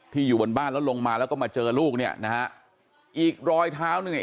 อยู่บนบ้านแล้วลงมาแล้วก็มาเจอลูกเนี่ยนะฮะอีกรอยเท้าหนึ่งเนี่ย